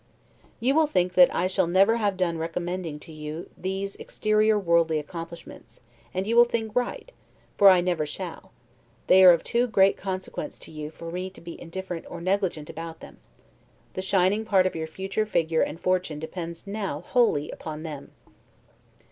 You will think that I shall never have done recommending to you these exterior worldly accomplishments, and you will think right, for I never shall; they are of too great consequence to you for me to be indifferent or negligent about them: the shining part of your future figure and fortune depends now wholly upon them.